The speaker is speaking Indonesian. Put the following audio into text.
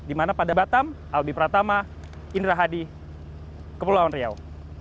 dimana pada batam aldi pratama indra hadi kepulauan riau